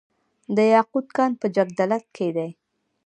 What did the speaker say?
د یاقوت کان په جګدلک کې دی